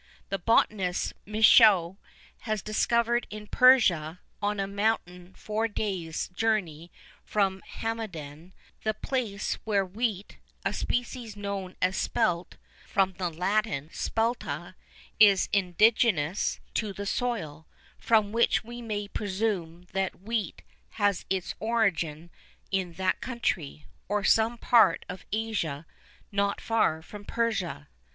The botanist Michaux has discovered in Persia, on a mountain four days' journey from Hamadan, the place where wheat (a species known as spelt, from the Latin spelta) is indigenous to the soil, from which we may presume that wheat has its origin in that country, or some part of Asia not far from Persia.